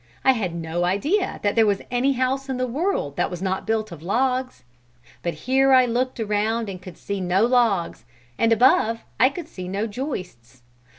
I had no idea that there was any house in the world that was not built of logs. But here I looked around and could see no logs, and above I could see no joists.